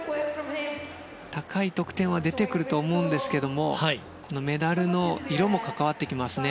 高い得点は出てくると思うんですけどもメダルの色も関わってきますね。